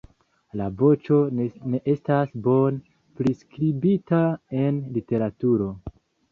La voĉo ne estas bone priskribita en literaturo.